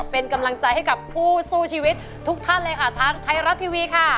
เป็นกำลังใจให้กับผู้สู้ชีวิตทุกท่านเลยค่ะทางไทยรัฐทีวีค่ะ